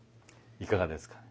いかがですか。